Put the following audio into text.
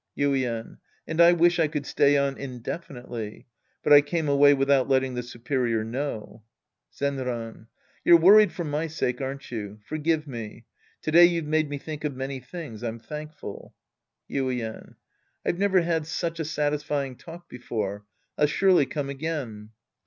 Yuien. And I wish I could stay on indefinitely, but I eanie away without letting the superior know. Zenran. You're worried for my sake, aren't you ? Forgive me. To day you've made me think of many things. I'm thankful. Yuien. I've never had such a satisfying talk before. I'll surely come again.